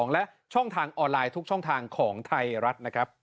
และช่องทางออนไลน์ทุกช่องทางของไทยรัฐนะครับ